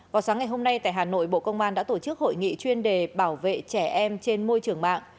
vào sáng ngày hôm nay tại hà nội bộ công an đã tổ chức hội nghị chuyên đề bảo vệ trẻ em trên môi trường mạng